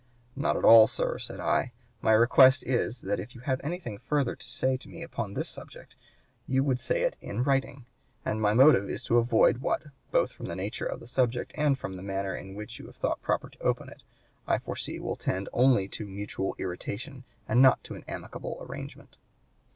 'Not at all, sir,' said I, 'my request is, that if you have anything further to say to me upon this subject, you would say it in writing. And my motive is to avoid what, both from the nature of the subject and from the manner in which you (p. 142) have thought proper to open it, I foresee will tend only to mutual irritation, and not to an amicable arrangement.'